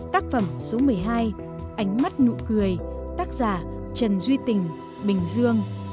tác phẩm số một mươi hai ánh mắt nụ cười tác giả trần duy tình bình dương